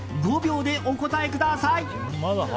５秒でお答えください。